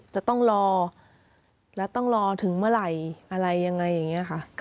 จะต้องรอและต้องรอถึงเมื่อไหร่อะไรยังไงอย่างนี้ค่ะ